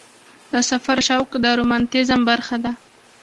د سفر شوق د رومانتیزم برخه ده.